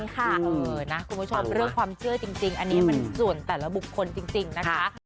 คุณผู้ชมเรื่องความเชื่อจริงอันนี้มันส่วนแต่ละบุคคลจริงนะคะ